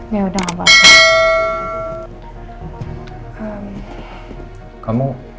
yaudah nggak apa apa